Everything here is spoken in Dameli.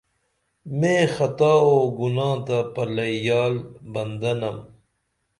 میں خطا او گناہ تہ پلئی یال بندہ نم